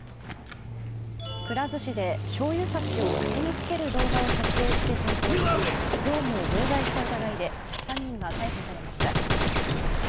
くら寿司でしょうゆ差しを口につける動画を撮影して投稿し業務を妨害した疑いで３人が逮捕されました。